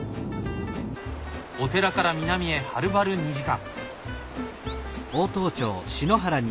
お寺から南へはるばる２時間！